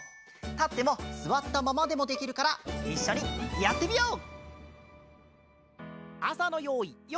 たってもすわったままでもできるからいっしょにやってみよう！